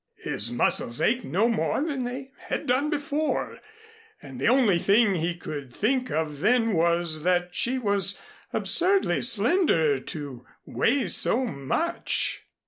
His muscles ached no more than they had done before, and the only thing he could think of just then was that she was absurdly slender to weigh so much.